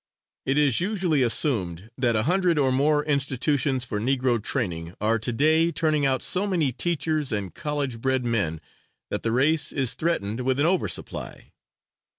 It is usually assumed that a hundred or more institutions for Negro training are to day turning out so many teachers and college bred men that the race is threatened with an over supply.